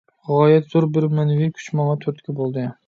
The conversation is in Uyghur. غايەت زور بىر مەنىۋى كۈچ ماڭا تۈرتكە بولدى.